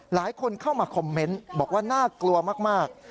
หลายคนเข้ามาคอมเมนต์บอกว่าน่ากลัวมาก